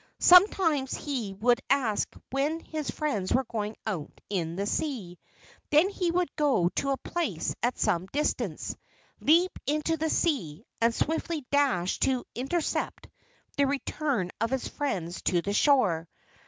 Sometimes he would ask when his friends were going out in the sea; then he would go to a place at some distance, leap into the sea, and swiftly dash to intercept the return of his friends to the shore.